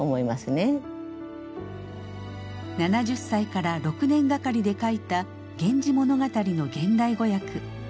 ７０歳から６年がかりで書いた「源氏物語」の現代語訳。